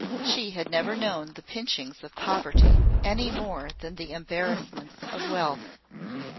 She had never known the pinchings of poverty, any more than the embarrassments of wealth.